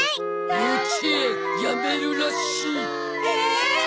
幼稚園辞めるらしい。ええーっ！